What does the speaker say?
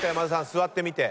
座ってみて。